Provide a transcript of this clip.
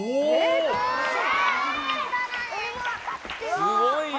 すごいね。